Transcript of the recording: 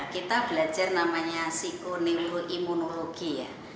kita belajar namanya psiko neuro imunologi